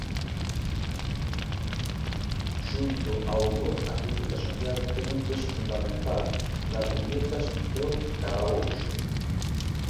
Xunto ao humor, a crítica social "ten un peso fundamental" nas viñetas do Carrabouxo.